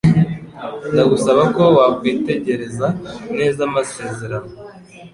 Ndagusaba ko wakwitegereza neza amasezerano.